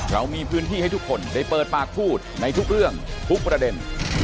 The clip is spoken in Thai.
เรามีพื้นที่ให้ทุกคนได้เปิดปากพูดในทุกเรื่องทุกประเด็น